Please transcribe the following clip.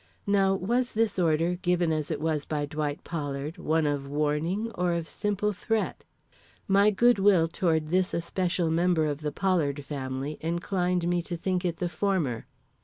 Now was this order, given as it was by Dwight Pollard, one of warning or of simple threat? My good will toward this especial member of the Pollard family inclined me to think it the former.